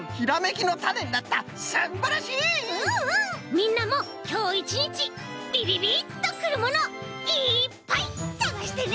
みんなもきょういちにちびびびっとくるものいっぱいさがしてね！